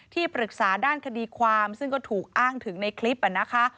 ที่ปรึกษาด้านคดีความซึ่งก็ถูกอ้างถึงในคลิปนะคะ